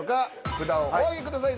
札をお挙げください。